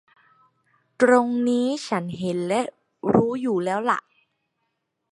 ตรงนี้ฉันเห็นและรู้อยู่แล้วหละ